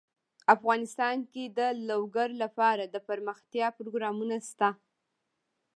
افغانستان کې د لوگر لپاره دپرمختیا پروګرامونه شته.